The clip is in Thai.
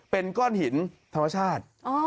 เป็นก้อนหินธรรมชาติ